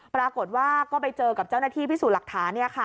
ปรากฏว่าก็ไปเจอกับเจ้าหน้าที่พิสูจน์หลักฐาน